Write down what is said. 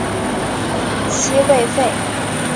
西魏废。